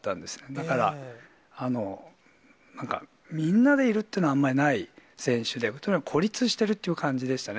だから、なんか、みんなでいるっていうのはあんまりない選手で、とにかく孤立してるっていう感じでしたね。